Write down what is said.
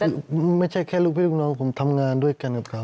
คือไม่ใช่แค่ลูกพี่ลูกน้องผมทำงานด้วยกันกับเขา